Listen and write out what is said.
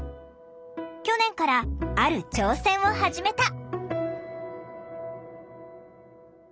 去年からある挑戦を始めた！